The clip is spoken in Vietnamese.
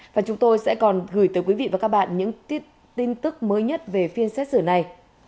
và chúng tôi sẽ còn gửi tới quý vị và các bạn những tin tức mới nhất về phiên xét xử này